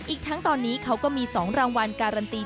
อีกทั้งตอนนี้เขาก็มี๒รางวัลการันตี